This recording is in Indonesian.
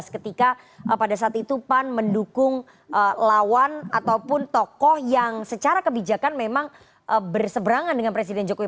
ketika pada saat itu pan mendukung lawan ataupun tokoh yang secara kebijakan memang berseberangan dengan presiden jokowi